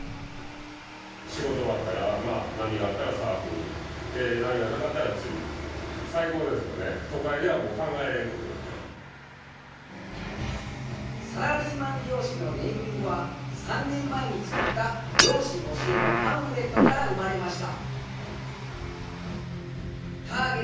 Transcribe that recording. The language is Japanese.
仕事終わったらサラリーマン漁師のネーミングは３年前に作った漁師募集のパンフレットから生まれました。